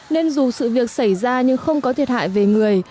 nên dù sự việc xảy ra nhưng không có thiệt hại về người